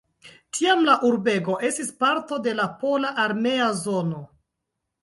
Tiam la urbego estis parto de la pola armea zono.